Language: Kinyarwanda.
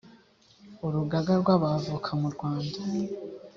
urugaga rw’ abavoka mu rwanda